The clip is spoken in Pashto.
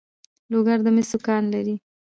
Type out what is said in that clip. لوګر د مسو کان لري